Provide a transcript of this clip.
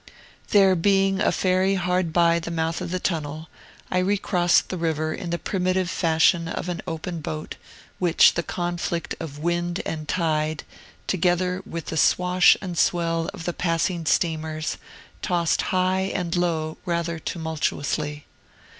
There being a ferry hard by the mouth of the Tunnel, I recrossed the river in the primitive fashion of an open boat, which the conflict of wind and tide, together with the swash and swell of the passing steamers, tossed high and low rather tumultuously.